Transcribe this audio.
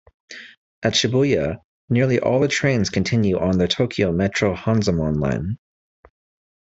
At Shibuya, nearly all the trains continue on the Tokyo Metro Hanzomon Line.